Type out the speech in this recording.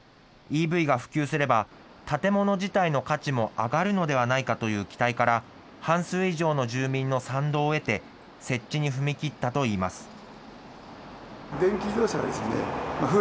ＥＶが普及すれば、建物自体の価値も上がるのではないかという期待から、半数以上の住民の賛同を得て、設置に踏み切ったといいます。